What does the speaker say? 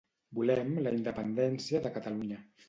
Volem la independència de Catalunya